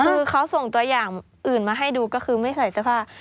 คือเขาส่งตัวอย่างอื่นมาให้ดูก็คือไม่ใส่เสื้อผ้า